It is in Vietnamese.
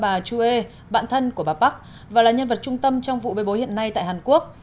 bà chuê bạn thân của bà park và là nhân vật trung tâm trong vụ bê bối hiện nay tại hàn quốc